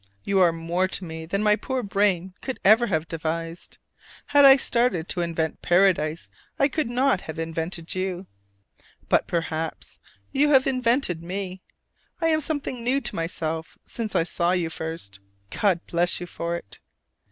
You are more to me than my own poor brain could ever have devised: had I started to invent Paradise, I could not have invented you. But perhaps you have invented me: I am something new to myself since I saw you first. God bless you for it!